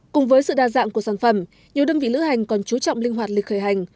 cùng với sự đa dạng của sản phẩm nhiều đơn vị lữ hành còn chú trọng linh hoạt lịch khởi hành